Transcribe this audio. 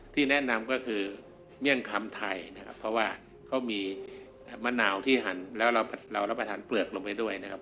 ที่แนะนำก็คือเมี่ยงคำไทยนะครับเพราะว่าเขามีมะนาวที่หั่นแล้วเรารับประทานเปลือกลงไปด้วยนะครับ